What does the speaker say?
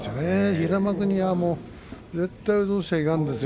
平幕にはもう絶対に落としちゃいかんですよ